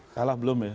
kalah belum ya